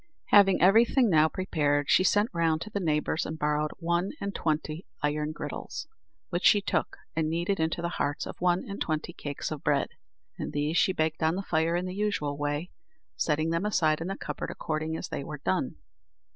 Having everything now prepared, she sent round to the neighbours and borrowed one and twenty iron griddles, which she took and kneaded into the hearts of one and twenty cakes of bread, and these she baked on the fire in the usual way, setting them aside in the cupboard according as they were done.